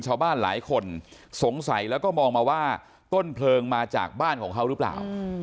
ชาวบ้านหลายคนสงสัยแล้วก็มองมาว่าต้นเพลิงมาจากบ้านของเขาหรือเปล่า